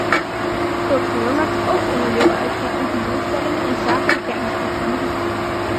Cultuur maakt ook onderdeel uit van onze doelstellingen inzake de kenniseconomie.